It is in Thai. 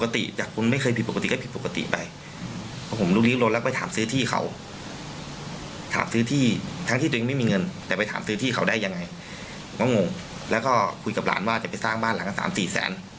แต่ไปถามซื้อที่เขาได้ยังไงผมก็งงแล้วก็คุยกับหลานว่าจะไปสร้างบ้านหลัง๓๔แสน